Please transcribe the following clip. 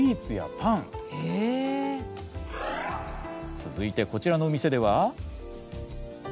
続いてこちらの店では？